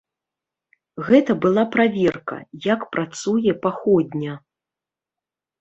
Гэта была праверка, як працуе паходня.